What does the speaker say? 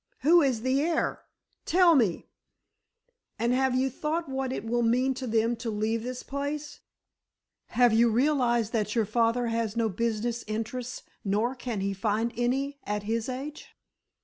Who is the heir? Tell me!" "And have you thought what it will mean to them to leave this place? Have you realized that your father has no business interests nor can he find any at his age?